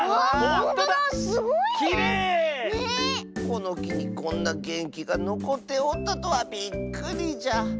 このきにこんなげんきがのこっておったとはびっくりじゃ。